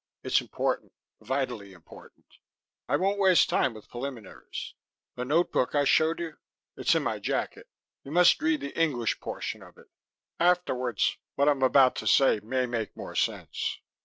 It's important vitally important. I won't waste time with preliminaries. The notebook I showed you it's in my jacket. You must read the English portion of it. Afterwards, what I'm about to say may make more sense."